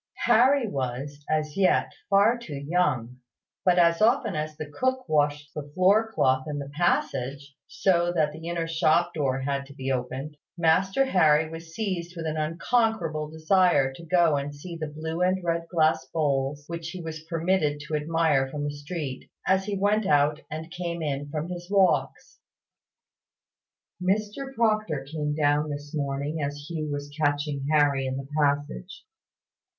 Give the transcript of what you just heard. Harry was, as yet, far too young; but, as often as the cook washed the floor cloth in the passage, so that the inner shop door had to be opened, Master Harry was seized with an unconquerable desire to go and see the blue and red glass bowls which he was permitted to admire from the street, as he went out and came in from his walks. Mr Proctor came down this morning as Hugh was catching Harry in the passage.